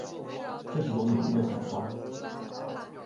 这是朵美丽的小花。